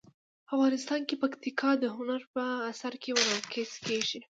افغانستان کې پکتیکا د هنر په اثار کې منعکس کېږي.